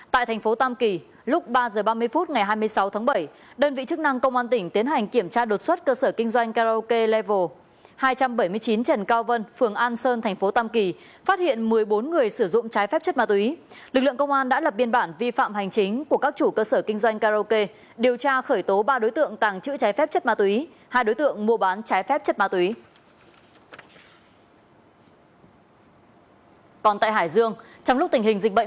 trước đó vào lúc h ba mươi phút ngày một mươi chín tháng bảy lực lượng công an tiến hành kiểm tra đột xuất cơ sở kinh doanh karaoke nice xã tam xuân một huyện núi thành tỉnh quảng nam phát hiện hai mươi bốn người gồm một mươi chín nam là khách thuê hát và năm nữ là nhân viên của cơ sở kinh doanh karaoke quang vinh khối phố mỹ hòa thị trấn nam phước huyện duy xuyên tỉnh quảng nam phát hiện hai mươi bốn người gồm một mươi chín nam là khách thuê hát và năm nữ là nhân viên của cơ sở kinh doanh karaoke quang vinh khối phố mỹ hòa thị trấn nam phước huyện duy xuyên tỉnh quảng nam phát hiện hai mươi bốn người